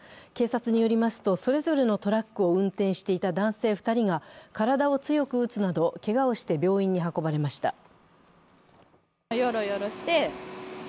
警察によりますと、それぞれのトラックを運転していた男性２人が体を強く打つなど、けがをして病院に運ばれました。